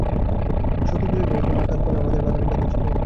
সতু বলিল, ও তো মাকাল ফল-আমাদের বাগানে ক-ত ছিল!